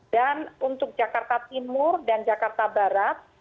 dan untuk jakarta timur dan jakarta barat